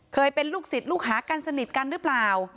เคยเป็นลูกศิษย์ลูกหากันสนิทกันหรือเปล่า